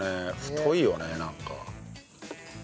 太いよねなんか。